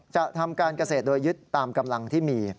จะทำการเกษตรโดยยึดตามกำลังที่มี